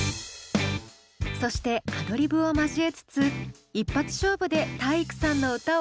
そしてアドリブを交えつつ一発勝負で体育さんの歌を録音。